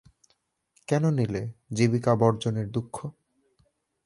কেন নিলে জীবিকাবর্জনের দুঃখ?